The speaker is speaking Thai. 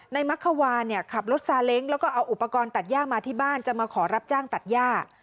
มักขวาเนี่ยขับรถซาเล้งแล้วก็เอาอุปกรณ์ตัดย่ามาที่บ้านจะมาขอรับจ้างตัดย่า